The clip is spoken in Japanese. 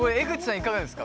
いかがですか？